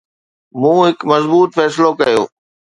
مون هڪ مضبوط فيصلو ڪيو